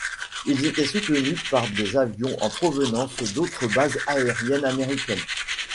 Ils étaient soutenus par des avions en provenance d'autres bases aériennes américaines.